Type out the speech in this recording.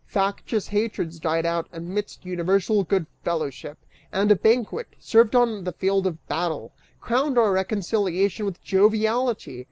Factious hatreds died out amidst universal good fellowship, and a banquet, served on the field of battle, crowned our reconciliation with joviality.